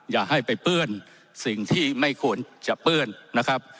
อย่าให้ไปเปื้อนสิ่งที่ไม่ควรจะเปื้อนนะครับ